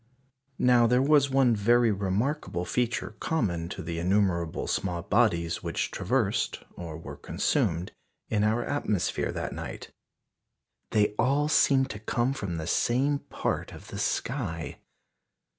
Now there was one very remarkable feature common to the innumerable small bodies which traversed, or were consumed in our atmosphere that night. _They all seemed to come from the same part of the sky.